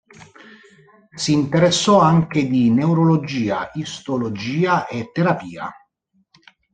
Si interessò anche di Neurologia, Istologia e terapia.